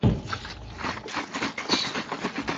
ولي مدام هڅاند د هوښیار انسان په پرتله لاره اسانه کوي؟